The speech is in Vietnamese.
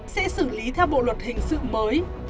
sẽ xử lý theo bộ luật hình sự mới